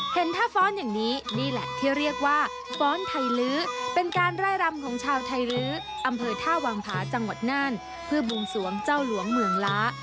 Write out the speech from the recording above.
เห็นท่าฟ้อนอย่างนี้นี่แหละที่เรียกว่าฟ้อนไทยลื้อเป็นการไร่รำของชาวไทยลื้ออำเภอท่าวังผาจังหวัดน่านเพื่อบวงสวงเจ้าหลวงเมืองล้า